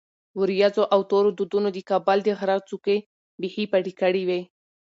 ورېځو او تورو دودونو د کابل د غره څوکې بیخي پټې کړې وې.